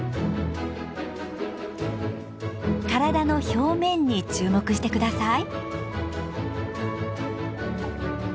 体の表面に注目してください。